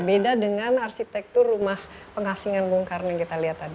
beda dengan arsitektur rumah pengasingan bung karno yang kita lihat tadi